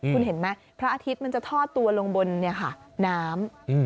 คุณเห็นไหมพระอาทิตย์มันจะทอดตัวลงบนน้ำ